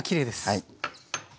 はい。